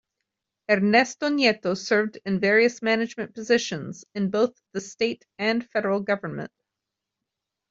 Ernesto Nieto served in various management positions in both the state and federal government.